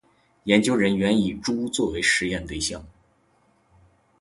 研究人员以猪作为实验对象